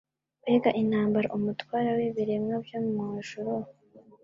Mbega intambara umutware w'ibiremwa byo mu ijuru